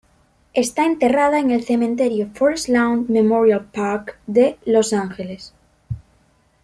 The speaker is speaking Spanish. Está enterrada en el cementerio Forest Lawn Memorial Park de Los Ángeles.